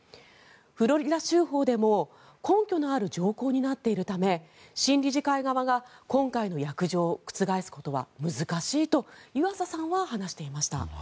フロリダ州法でも根拠のある条項になっているため新理事会側が今回の約定を覆すことは難しいと湯浅さんは話していました。